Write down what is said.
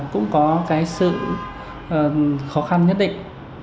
cũng có cái sự khó khăn nhất định